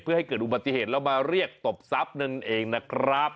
เพื่อให้เกิดอุบัติเหตุแล้วมาเรียกตบทรัพย์นั่นเองนะครับ